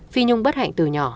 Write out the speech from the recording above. phi nhung bất hạnh từ nhỏ